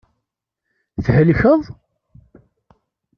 Thelkeḍ?